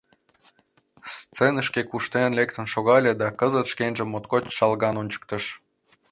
Сценышке куштен лектын шогале да кызыт шкенжым моткоч чолган ончыктыш.